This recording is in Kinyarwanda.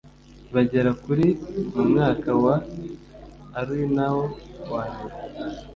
bagera kuri mu mwaka wa ari na wo wa nyuma